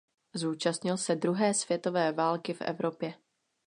Zúčastnil se druhé světové války v Evropě.